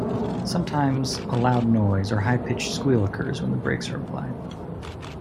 Sometimes a loud noise or high pitched squeal occurs when the brakes are applied.